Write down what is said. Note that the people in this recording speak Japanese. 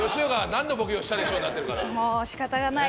もう仕方がない。